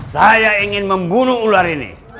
saya ingin membunuh ular ini